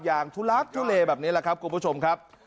อย่างทุลักทุเลแบบนี้แหละครับกลุ่มผู้ชมครับ